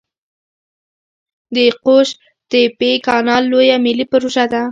د قوش تیپې کانال لویه ملي پروژه ده